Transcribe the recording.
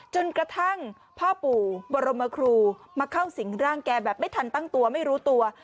จนกระทั่งพ่อปู่บรมครูมาเข้าสิงร่างแกแบบไม่ทันตั้งตัวไม่รู้ตัว